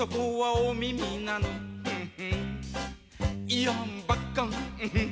いやん、ばかーん。